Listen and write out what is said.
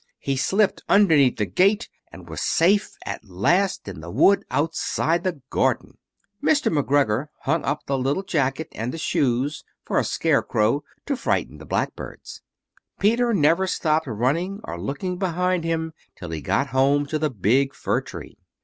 He slipped underneath the gate, and was safe at last in the wood outside the garden. Mr. McGregor hung up the little jacket and the shoes for a scare crow to frighten the blackbirds. Peter never stopped running or looked behind him till he got home to the big fir tree.